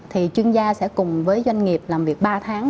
thì chuyên gia sẽ cùng với doanh nghiệp làm việc ba tháng